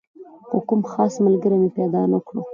خو کوم خاص ملګری مې پیدا نه کړ.